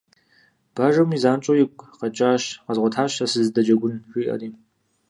Бажэми занщӀэу игу къэкӀащ, къэзгъуэтащ сэ сызыдэджэгун, жиӀэри.